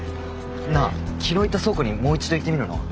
なあ昨日行った倉庫にもう一度行ってみるのは？